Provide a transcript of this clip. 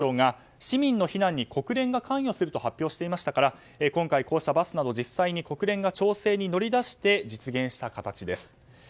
先週、ロシアとウクライナを訪れた国連のグテーレス事務総長が市民の避難に国連が関与すると発表していましたから今回こうしたバスなど実際に国連が調整に乗り出して実現した形です。